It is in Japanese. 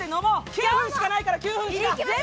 ９分しかないから、９分しか！